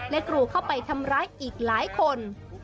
และกรูเข้าไปทำร้ายอีกหลายคน